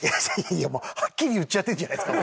いやもうはっきり言っちゃってるじゃないですか。